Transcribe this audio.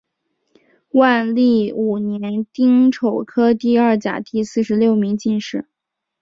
万历五年丁丑科第二甲第四十六名进士。